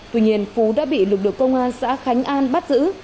tuy nhiên phú đã bị lực lượng công an xã khánh an bắt giữ